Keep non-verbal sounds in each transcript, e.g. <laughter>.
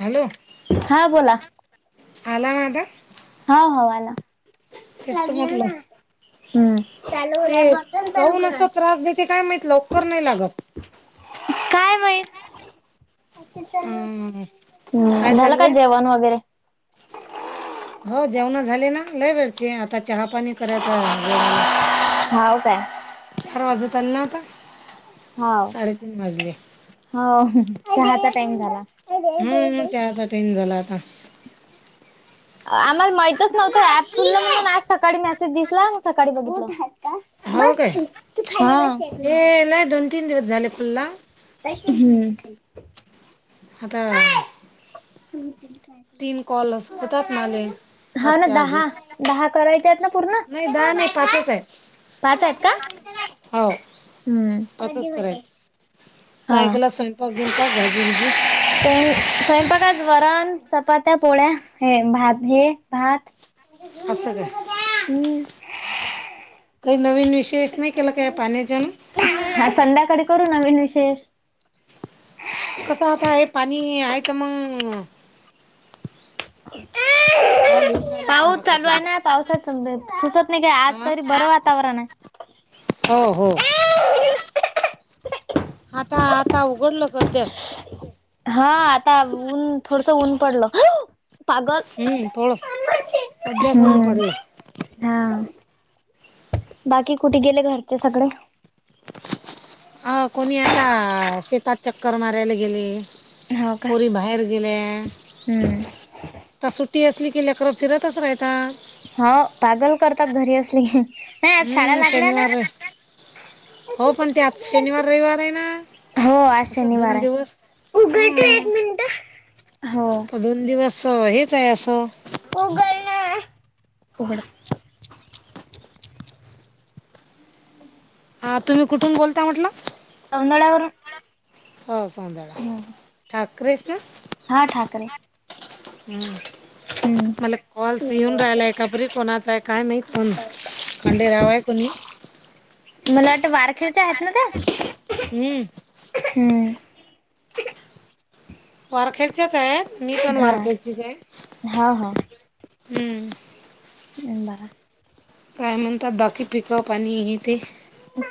Hello हा बोला. आला माझा? हा हा, आला, तेच तर लागलं म्हटलं ना. हम्म! ते काहून असं त्रास देते काय माहित, लवकर नाही लागत. काय माहीत? अं काय झालं चालू का आहे जेवण वगैरे? हो, जेवणा झाले ना, लय वेळचे, आता चहा पाणी करायच वेळ आल. हाव काय? चार वाजत आले ना आता? साडेतीन वाजले. हाव, चहाचा टाइम झाला. हम्म! चहाचा टाईम झाला आता. आम्हाला माहच नव्हतं ऍप खुललं म्हणून, आज सकाळी मेसेज दिसला, मग सकाळी बघितल. हो काय हे लय <unintelligible> <inaudible> हा. दोन तीन दिवस झाले खुल्ला हम्. आता हम् तीन कॉल असं होतात माले <unintelligible> <inaudible> हा ना, आजच्या अजून दहा, दहा करायचे आहेत ना पूर्ण? नाही दहा नाही, पाचच आहेत. पाच आहेत का? हो. हम्म! असंच कधी होते. करायचं हा, काय केला स्वयंपाक गिंपाक भाजी गिजी <unintelligible> स्वयंपाक वरण, चपात्या, पोळ्या, हे भात, हे भात अस काय हम्म! काही नवीन? विशेष नाही केला काय पाण्याच्यान हा संध्याकाळी करू नवीन विशेष? कसं आता आहे, पाणी आहे त मग <unintelligible> कॉल येऊन <inaudible> राहिला पाऊस कोणाचा चालू तरी आहे ना, पावसाात सुसत नाही काय, आज हा तरी बरं वातावरण आहे. हो हो. आता, आता उघडलं <unintelligible> हा आता ऊन थोडस ऊन पडलं. पागल... हम्म थोडं सध्याच ऊन हम्म पडलं हा... बाकी कुठे गेले घरचे सगळे? अ कोणी आता शेतात चक्कर मारायला गेले. हो का पोरी बाहेर गेल्या. हम्म आता सुट्टी असली की लेकरं फिरतच राहता. हो पागल करतात घरी असली की. नाही आज शाळा हम्म लागल्या ना? शनिवार हो पण ते आज शनिवार रविवार आहे ना. आता दोन दिवस उघडते हम्म एक मिनिट? दोन दिवस हेच आहे. असं उघड ना. उघड हां तुम्ही कुठून बोलता म्हटलं? तेवड्यान वरून हो सोवद्या हम् ठाकरेस ना? हा ठाकरे. हम् हम्म मला कॉल्स येऊन राहिला, एकापरी कोणाचा आहे, काय माहित नाही. पण खंडे रावाय कोणी? मला वाटत वारखेडच्या आहेत ना त्या? हम्म <inaudible> हम्म वारखेडचेच आहेत. मी पण हा वारखेडचेच आहे. हा हा हम्म बंबया <inaudible> काय म्हणतात, बाकी पिकपाणी आणि हे ते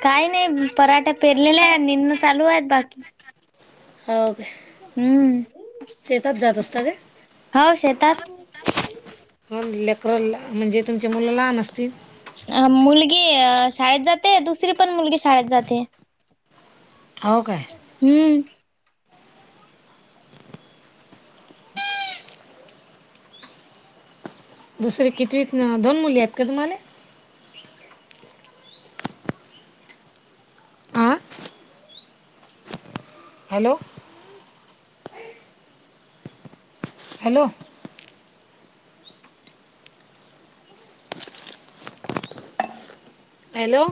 काय नाही पराठा पेरलेल्या आहेत, निंन चालू आहेत. बाकी हो का? हम्म शेतात जात असता काय? हो शेतात. हो लेकर म्हणजे तुमच्या मुलं लहान असतील? ह मुलगी शाळेत जाते, दुसरी पण मुलगी शाळेत जाते. हो काय. हम्म दुसरी कितवीत, दोन मुली आहेत का तुम्हाला? हा हॅलो? हॅलो? हॅलो?